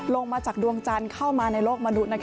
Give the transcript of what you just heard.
ลงมาจากดวงจันทร์เข้ามาในโลกมนุษย์